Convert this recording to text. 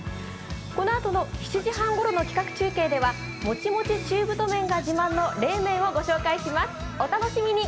このあとの７時半ごろの企画中継では、もちもち中太麺が自慢の冷麺を御紹介します、お楽しみに。